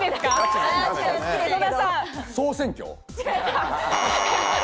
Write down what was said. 総選挙。